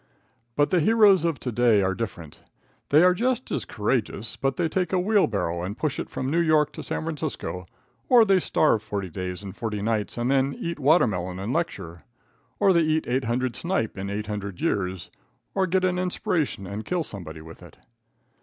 But the heroes of to day are different. They are just as courageous, but they take a wheelbarrow and push it from New York to San Francisco, or they starve forty days and forty nights and then eat watermelon and lecture, or they eat 800 snipe in 800 years, or get an inspiration and kill somebody with it.